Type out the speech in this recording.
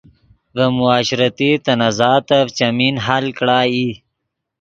ڤے معاشرتی تنازعاتف چیمین حل کڑا ای